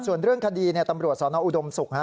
ส่วนเรื่องคดีตำรวจสนอุดมศุกร์